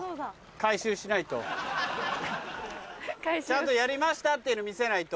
ちゃんとやりましたっていうの見せないと。